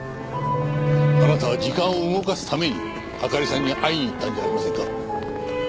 あなたは時間を動かすためにあかりさんに会いに行ったんじゃありませんか？